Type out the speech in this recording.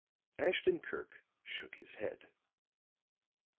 Ashton Kirk shook his head.